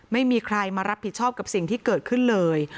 ไม่มีใครมารับผิดชอบกับสิ่งที่เกิดขึ้นเลย